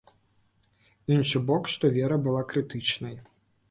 Іншы бок, што вера была крытычнай.